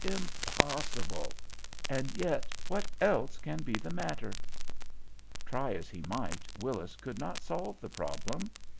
Impossible. And yet what else can be the matter?" Try as he might, Willis could not solve the problem.